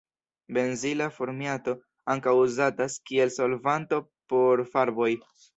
Benzila formiato ankaŭ uzatas kiel solvanto por farboj.